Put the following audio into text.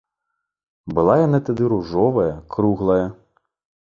Была яна тады ружовая, круглая.